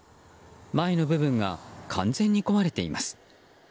前の部分が完全に壊れています。